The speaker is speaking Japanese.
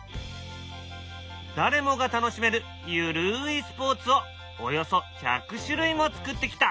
誰もが楽しめるゆるいスポーツをおよそ１００種類も作ってきた。